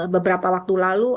beberapa waktu lalu